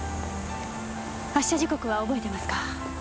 発車時刻は覚えてますか？